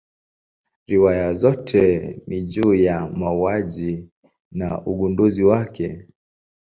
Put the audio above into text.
Riwaya zake ni juu ya mauaji na ugunduzi wake.